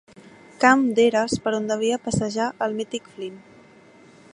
Camp d'eres per on devia passejar el mític Flynn.